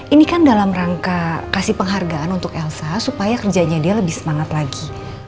ini kan dalam rangka kasih penghargaan untuk elsa supaya kerjanya dia lebih semangat lagi